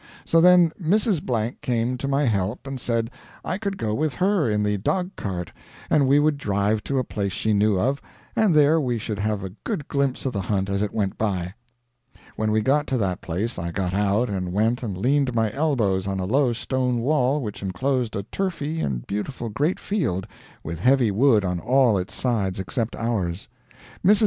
So then Mrs. Blank came to my help and said I could go with her in the dog cart and we would drive to a place she knew of, and there we should have a good glimpse of the hunt as it went by. "When we got to that place I got out and went and leaned my elbows on a low stone wall which enclosed a turfy and beautiful great field with heavy wood on all its sides except ours. Mrs.